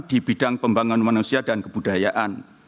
di bidang pembangunan manusia dan kebudayaan